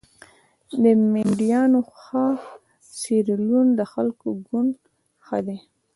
د مینډیانو ښه د سیریلیون د خلکو ګوند ښه دي.